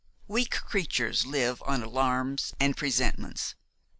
Weak creatures live on alarms and presentiments.